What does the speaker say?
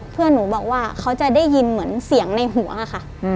เพื่อนหนูบอกว่าเขาจะได้ยินเหมือนเสียงในหัวค่ะ